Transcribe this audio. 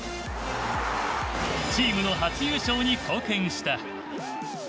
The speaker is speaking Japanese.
チームの初優勝に貢献した。